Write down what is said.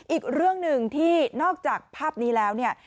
อีกเรื่องหนึ่งที่นอกจากภาพนี้แล้วเนี่ย